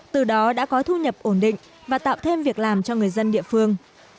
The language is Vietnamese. từ đó đã có thu nhập ổn định và tạo thêm việc làm cho người dân địa phương